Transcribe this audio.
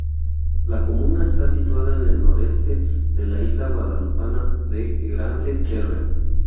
La comuna está situada en el noroeste de la isla guadalupana de Grande-Terre.